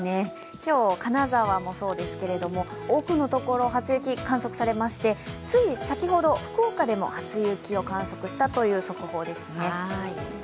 今日、金沢もそうですけれども多くのところで初雪、観測されまして、つい先ほど、福岡でも初雪を観測したという速報ですね。